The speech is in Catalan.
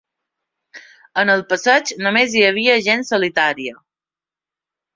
A n'al passeig no més hi havia gent solitària